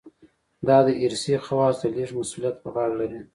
دا د ارثي خواصو د لېږد مسوولیت په غاړه لري.